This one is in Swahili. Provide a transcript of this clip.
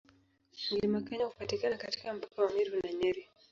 Mlima Kenya hupatikana katika mpaka wa Meru na Nyeri.